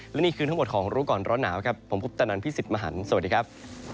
และนี่คือทั้งหมดของรู้ก่อนร้อนหนาวครับผมพุทธนันพี่สิทธิ์มหันฯสวัสดีครับ